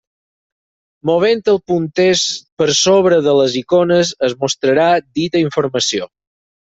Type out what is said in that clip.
Movent el punter per sobre de les icones es mostrarà dita informació.